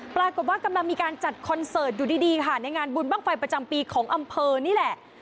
ปรากฏว่ากำลังมีการจัดคอนเสิร์ตอยู่ดีค่ะในงานบุญบ้างไฟประจำปีของอำเภอนี่แหละ